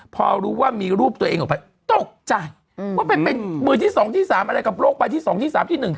พอรู้ว่ามีรูปตัวเองออกไปตกใจว่าไปเป็นมือที่สองที่สามอะไรกับโลกใบที่๒ที่๓ที่๑